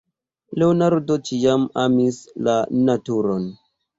Leonardo ĉiam amis la naturon.